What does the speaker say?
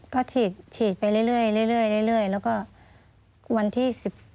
ก็ฉีดไปเรื่อยแล้วก็วันที่๑๘